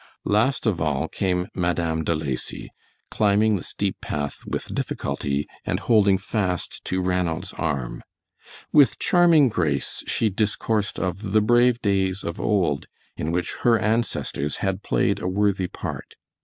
Last of all came Madame De Lacy, climbing the steep path with difficulty and holding fast to Ranald's arm. With charming grace she discoursed of the brave days of old in which her ancestors had played a worthy part.